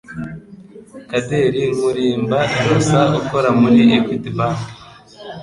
Kaderi Nkurimba Innocent ukora muri Equity Bank